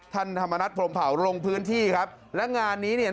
ธรรมนัฐพรมเผาลงพื้นที่ครับและงานนี้เนี่ย